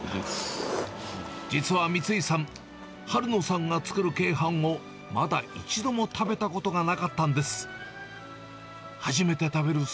実は三井さん、春野さんが作る鶏飯を、まだ一度も食べたことがなかったんです。